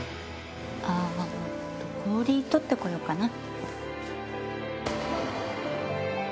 氷取ってこようかな。